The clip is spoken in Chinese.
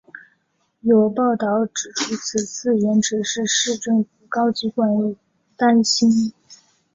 有报导指出此次延迟是市政府高级官员担心差错而故意拖慢进程导致的。